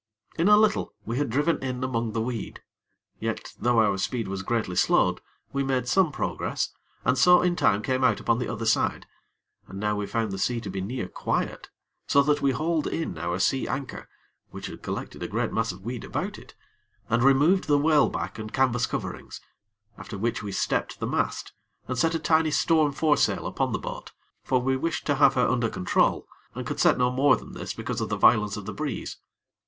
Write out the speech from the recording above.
In a little, we had driven in among the weed; yet, though our speed was greatly slowed, we made some progress, and so in time came out upon the other side, and now we found the sea to be near quiet, so that we hauled in our sea anchor which had collected a great mass of weed about it and removed the whaleback and canvas coverings, after which we stepped the mast, and set a tiny storm foresail upon the boat; for we wished to have her under control, and could set no more than this, because of the violence of the breeze.